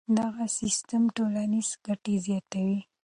دغه سیستم ټولنیزې ګټې زیاتوي.